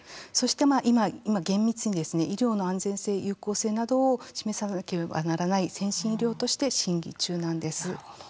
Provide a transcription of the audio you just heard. そして、今、厳密に医療の安全性・有効性などを示さなければならない先進医療として審議中なんです。